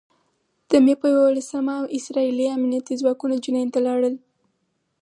د مې په یوولسمه اسراييلي امنيتي ځواکونه جنین ته لاړل.